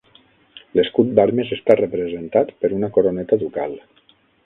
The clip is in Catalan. L'escut d'armes està representat per una coroneta ducal.